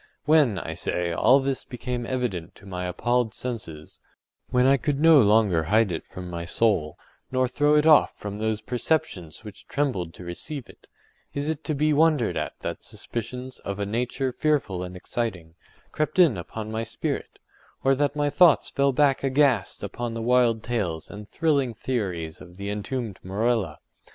When, I say, all this became evident to my appalled senses—when I could no longer hide it from my soul, nor throw it off from those perceptions which trembled to receive it—is it to be wondered at that suspicions, of a nature fearful and exciting, crept in upon my spirit, or that my thoughts fell back aghast upon the wild tales and thrilling theories of the entombed Morella?